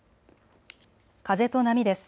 風と波です。